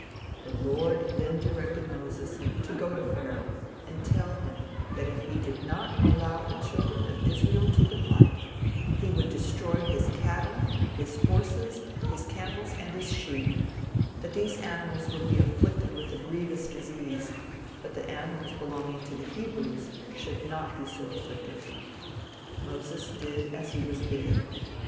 The Lord then directed Moses to go to Pharaoh and tell him that if he did not allow the children of Israel to depart, he would destroy his cattle, his horses, his camels and his sheep; that these animals would be afflicted with a grievous disease, but that the animals belonging to the Hebrews should not be so afflicted. Moses did as he was bid.